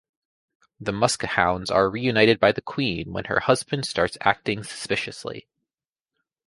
The Muskehounds are reunited by the Queen when her husband starts acting suspiciously.